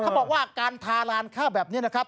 เขาบอกว่าการทาลานข้าวแบบนี้นะครับ